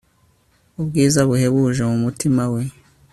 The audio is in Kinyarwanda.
Ubwiza buhebuje mu mutima we